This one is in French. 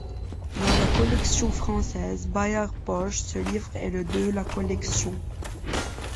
Dans la collection française Bayard Poche, ce livre est le de la collection.